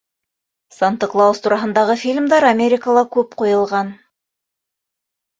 Санта Клаус тураһындағы фильмдар Америкала күп ҡуйылған.